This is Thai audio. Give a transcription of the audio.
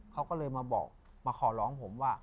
เขาก็เลยมาบอกมาขอร้องผมว่า